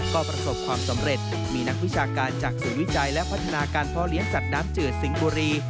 ก็ประสบความสำเร็จมีนักวิชาการจากศูนย์วิจัยและพัฒนาการพ่อเลี้ยงสัตว์น้ำจืดสิงห์บุรี